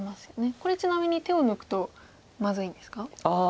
これちなみに手を抜くとまずいんですか？